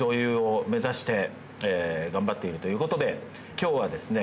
今日はですね